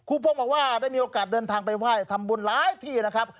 พงบอกว่าได้มีโอกาสเดินทางไปไหว้ทำบุญหลายที่นะครับ